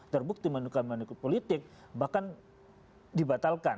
terbukti melakukan manipolitik bahkan dibatalkan